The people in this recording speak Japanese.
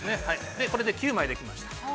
これで９枚できました。